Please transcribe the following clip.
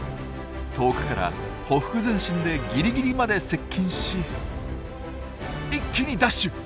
遠くからほふく前進でギリギリまで接近し一気にダッシュ！